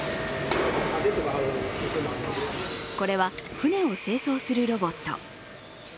これは、船を清掃するロボット。